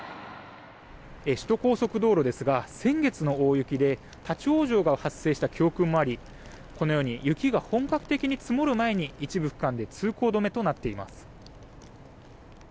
首都高速道路ですが先月の大雪で立ち往生が発生した教訓もあり雪が本格化に積もる前に一部区間で通行止めになっています。